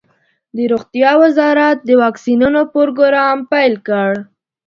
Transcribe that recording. د روغتیا وزارت د واکسینونو پروګرام پیل کړ.